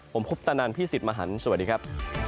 ผมคุปตะนันพี่สิทธิ์มหันฯสวัสดีครับ